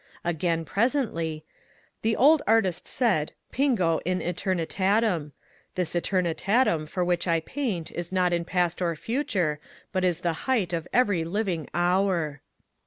Again presently :" The old artist said, Pingo in etemitatem ; this etemitatem for which I paint is not in past or future, but is the height of every living hour."